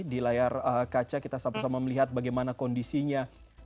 di layar kaca kita sama sama melihat bagaimana kondisinya